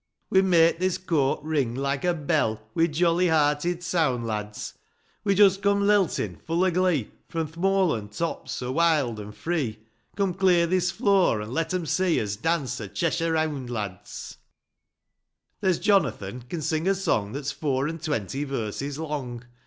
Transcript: We'n make this cote ring like a bell Wi' jolly hearted sound, lads ! We're just come liltin', full o' glee, Fro' th' moorlan' tops, so wild an' free ; Come, clear this floor, an' let 'em see Us dance a Cheshire round, lads 1 II. There's Jonathan can sing a song That's four an' twenty verses long.